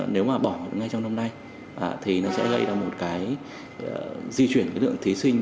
nếu mà bỏ ngay trong năm nay thì nó sẽ gây ra một cái di chuyển cái lượng thí sinh